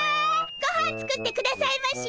ごはん作ってくださいまし！